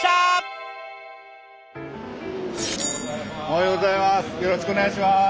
おはようございます。